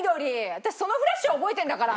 私そのフラッシュは覚えてんだから！